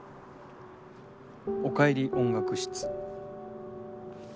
「おかえり音楽室」。